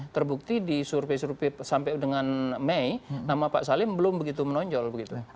terbukti di survei survei sampai dengan mei nama pak salim belum begitu menonjol begitu